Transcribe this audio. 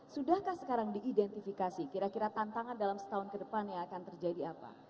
sudahkah sekarang diidentifikasi kira kira tantangan dalam setahun kedepannya akan terjadi apa